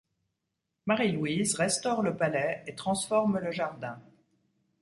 Marie-Louise restaure le palais et transforme le jardin.